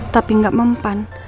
tapi nggak mempan